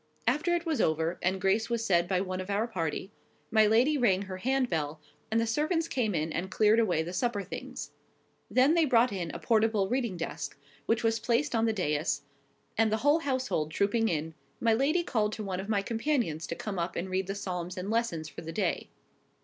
After it was over, and grace was said by one of our party, my lady rang her hand bell, and the servants came in and cleared away the supper things: then they brought in a portable reading desk, which was placed on the dais, and, the whole household trooping in, my lady called to one of my companions to come up and read the Psalms and Lessons for the day.